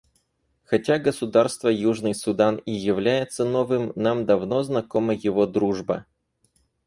Хотя государство Южный Судан и является новым, нам давно знакома его дружба.